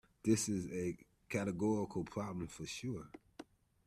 This is a categorical problem for sure.